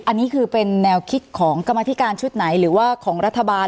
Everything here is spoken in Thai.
อันนี้คือเป็นแนวคิดของกรรมธิการชุดไหนหรือว่าของรัฐบาล